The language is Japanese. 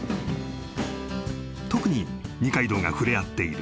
特に二階堂が触れ合っている